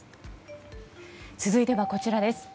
続いてはこちらです。